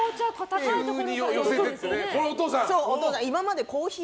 これ、お父さん。